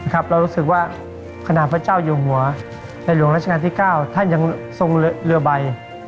เรารู้สึกว่าขณะพระเจ้าอยู่หัวในหลวงราชการที่๙ท่านยังทรงเรือใบ